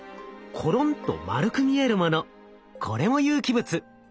ころんと丸く見えるものこれも有機物。